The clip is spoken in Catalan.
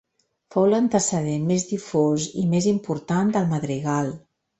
Fou l'antecedent més difós i més important del madrigal.